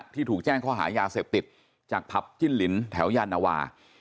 ที่ถูกแจ้งข้อหายาเสพติดจากผับจิ้นลินแถวยานวา